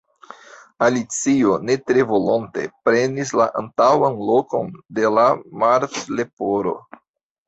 Alicio, ne tre volonte, prenis la antaŭan lokon de la Martleporo.